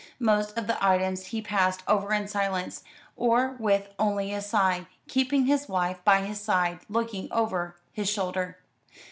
Most of the items he passed over in silence, or with only a sigh, keeping his wife by his side, looking over his shoulder.